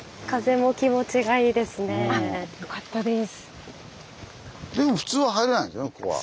よかったです。